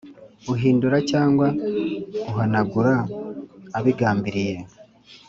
Uhindura cyangwa uhanagura abigambiriye